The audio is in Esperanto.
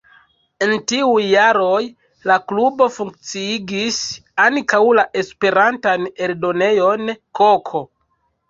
En tiuj jaroj la klubo funkciigis ankaŭ la Esperantan eldonejon “Koko”.